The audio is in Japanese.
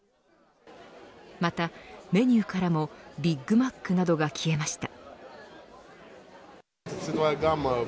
また、メニューからもビッグマックなどが消えました。